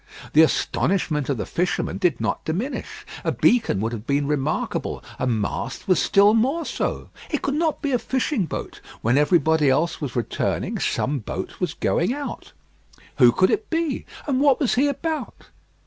The astonishment of the fisherman did not diminish. A beacon would have been remarkable; a mast was still more so: it could not be a fishing boat. When everybody else was returning, some boat was going out. Who could it be? and what was he about?